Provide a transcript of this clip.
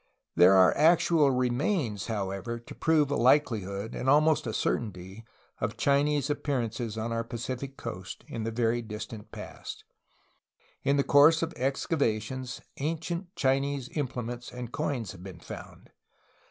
There are actual remains, however, to prove a likeli hood, and almost a certainty, of Chinese appearances on our Pacific coast in the very distant past. In the course of excavations ancient Chinese implements and coins have been found.